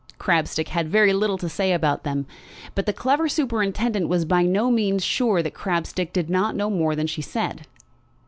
Crabstick had very little to say about them; but the clever superintendent was by no means sure that Crabstick did not know more than she said.